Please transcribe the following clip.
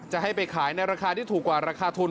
จะให้ไปขายในราคาที่ถูกกว่าราคาทุน